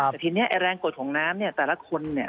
แต่ทีนี้ไอ้แรงกดของน้ำเนี่ยแต่ละคนเนี่ย